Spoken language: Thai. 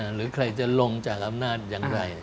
หรือใครจะลงจากอำนาจอย่างไร